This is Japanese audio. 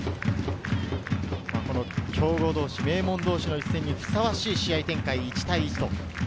強豪同士、名門同士の一戦にふさわしい試合展開。